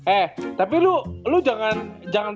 eh tapi lo jangan